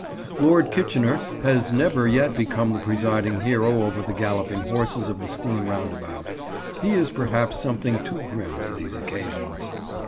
Lord Kitchener has never yet become the presiding hero over the galloping horses of the steam roundabout: he is perhaps something too grim for these occasions.